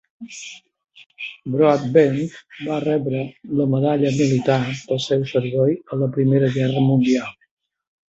Broadbent va rebre la Medalla militar pel seu servei a la Primera Guerra Mundial.